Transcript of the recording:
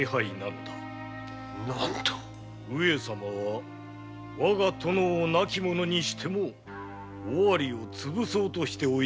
上様はわが殿を亡き者にしても尾張をつぶそうとしておられるのだ。